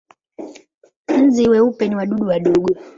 Nzi weupe ni wadudu wadogo.